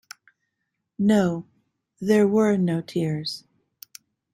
No, there were no tears.